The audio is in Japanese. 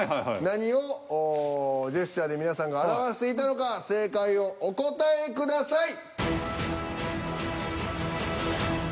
何をジェスチャーで皆さんが表していたのか正解をお答えください。